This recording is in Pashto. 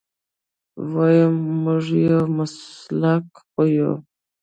ويم موږ د يو مسلک خلک يو.